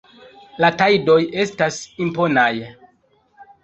La tajdoj estas imponaj.